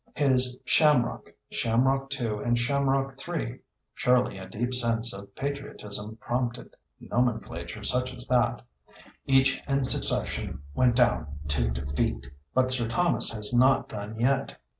His Shamrock, Shamrock II., and Shamrock III. surely a deep sense of patriotism prompted nomenclature such as that each in succession went down to defeat; but Sir Thomas has not done yet.